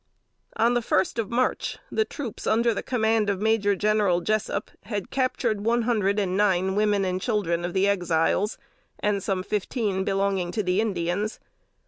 On the first of March, the troops under the command of Major General Jessup had captured one hundred and nine women and children of the Exiles, and some fifteen belonging to the Indians.